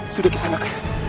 sudah kisah nak